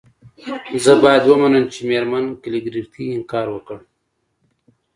زه باید ومنم چې میرمن کلیګرتي انکار وکړ